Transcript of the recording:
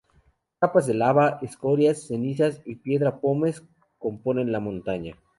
Capas de lava, escorias, cenizas, y piedra pómez componen la montaña.